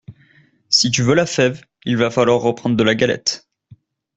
Si tu veux la fève, il va falloir reprendre de la galette.